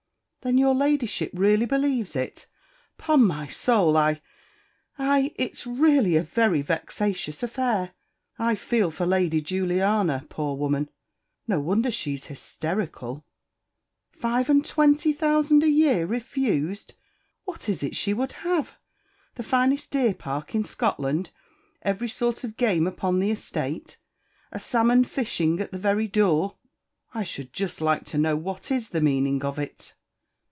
"Then your Ladyship really believes it. 'Pon my soul, I I it's really a very vexatious affair. I feel for Lady Juliana, poor woman! No wonder she's hysterical five and twenty thousand a year refused! What is it she would have? The finest deer park in Scotland! Every sort of game upon the estate! A salmon fishing at the very door! I should just like to know what is the meaning of it?"